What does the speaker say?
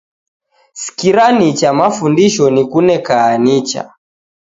Sikira nicha mafundisho nikunekaa nicha